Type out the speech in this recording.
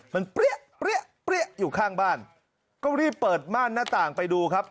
มันเปรี้ยเปรี้ยเปรี้ยอยู่ข้างบ้านก็รีบเปิดม่านหน้าต่างไปดูครับ